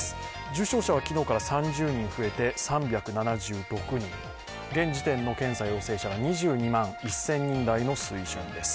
重症者は昨日から３０人増えて３７６人現時点の検査陽性者が２２万１０００人台の水準です。